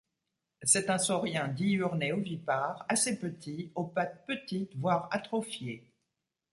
C'est un saurien diurnes et ovipares assez petit, aux pattes petites voire atrophiées.